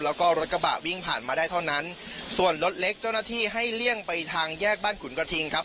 แล้วก็รถกระบะวิ่งผ่านมาได้เท่านั้นส่วนรถเล็กเจ้าหน้าที่ให้เลี่ยงไปทางแยกบ้านขุนกระทิงครับ